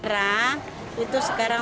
rang itu sekarang seratus